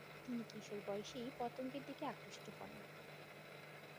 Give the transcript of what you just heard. তিনি কিশোর বয়সেই পতঙ্গের দিকে আকৃষ্ট হোন।